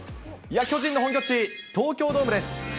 巨人の本拠地、東京ドームです。